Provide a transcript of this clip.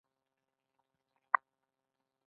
هغوی ځان عمومي واټ ته ورسول چې پولیس یې ونیسي.